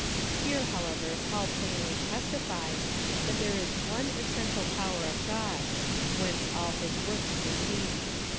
Here, however, Paul plainly testifies, that there is one essential power of God, whence all his works proceed.